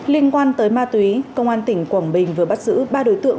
liên quan tới ma túy công an tỉnh quảng bình vừa bắt giữ ba đối tượng